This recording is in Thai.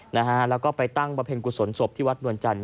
นะฮะแล้วก็ไปตั้งบำเพ็ญกุศลศพที่วัดนวลจันท